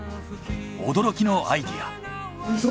驚きのアイデア。